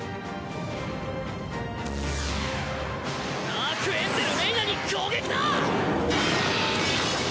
アークエンジェル・レイナに攻撃だ！